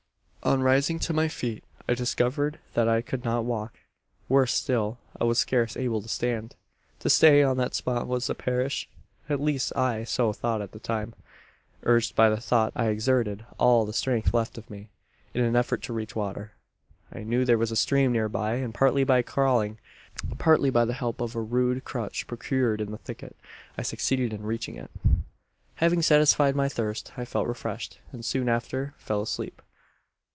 "On rising to my feet, I discovered that I could not walk. Worse still, I was scarce able to stand. "To stay on that spot was to perish at least I so thought at the time. "Urged by the thought, I exerted all the strength left me, in an effort to reach water. "I knew there was a stream near by; and partly by crawling, partly by the help of a rude crutch procured in the thicket I succeeded in reaching it. "Having satisfied my thirst, I felt refreshed; and soon after fell asleep.